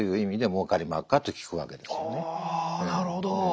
あなるほど！